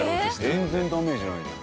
全然ダメージないじゃん。